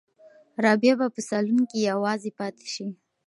رابعه به په صالون کې یوازې پاتې شي.